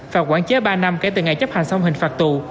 phạt quản chế ba năm kể từ ngày chấp hành xong hình phạt tù